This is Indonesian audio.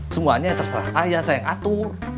semuanya terserah ayah sayang atu